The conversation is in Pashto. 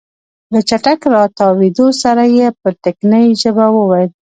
له چټک راتاوېدو سره يې په ټکنۍ ژبه وويل.